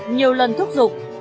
nhiều lần thúc giục